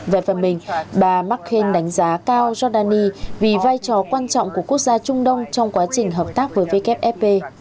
về phần mình bà maken đánh giá cao giordani vì vai trò quan trọng của quốc gia trung đông trong quá trình hợp tác với wfp